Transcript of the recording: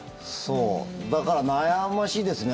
だから、悩ましいですね。